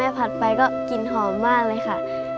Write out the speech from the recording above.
แต่ถ้าแม่ผัดไปก็กินหอมมากเลยค่ะ